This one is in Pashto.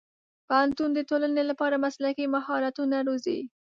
پوهنتون د ټولنې لپاره مسلکي مهارتونه روزي.